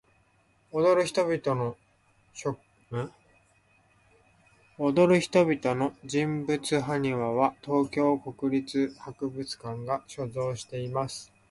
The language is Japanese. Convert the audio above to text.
踊る人々の人物埴輪は、東京国立博物館が所蔵しています。